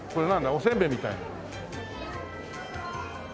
おせんべいみたい。